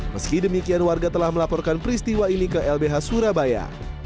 meski demikian warga telah melaporkan peristiwa ini ke lbh surabaya